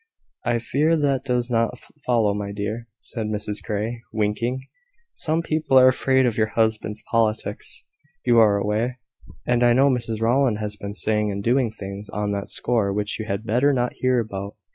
"I fear that does not follow, my dear," said Mrs Grey, winking. "Some people are afraid of your husband's politics, you are aware; and I know Mrs Rowland has been saying and doing things on that score which you had better not hear about.